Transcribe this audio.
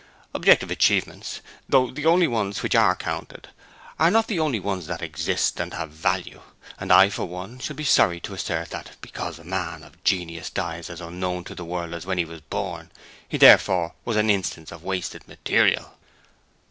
Objective achievements, though the only ones which are counted, are not the only ones that exist and have value; and I for one should be sorry to assert that, because a man of genius dies as unknown to the world as when he was born, he therefore was an instance of wasted material.'